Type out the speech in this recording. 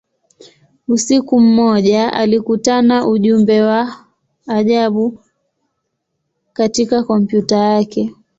Usiku mmoja, alikutana ujumbe wa ajabu katika kompyuta yake.